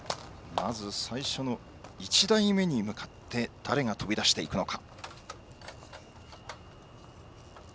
まず最初の１台目に向かって誰が飛び出していくのか。